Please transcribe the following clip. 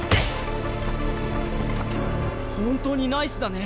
本当にナイスだね